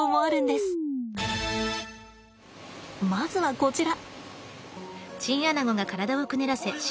まずはこちら。